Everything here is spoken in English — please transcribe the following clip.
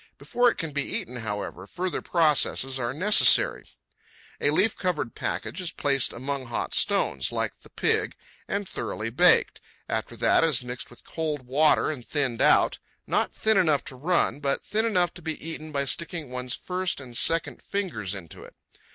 Before it can be eaten, however, further processes are necessary. A leaf covered package is placed among hot stones, like the pig, and thoroughly baked. After that it is mixed with cold water and thinned out—not thin enough to run, but thin enough to be eaten by sticking one's first and second fingers into it.